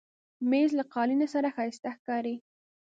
مېز له قالینې سره ښایسته ښکاري.